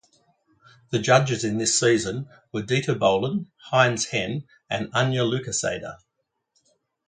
The judges in this season were Dieter Bohlen, Heinz Henn and Anja Lukaseder.